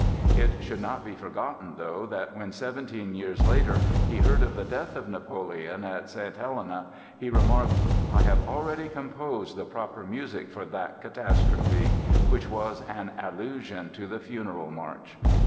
It should not be forgotten, though, that when seventeen years later he heard of the death of Napoleon at St. Helena, he remarked, "I have already composed the proper music for that catastrophe," which was an allusion to the Funeral March.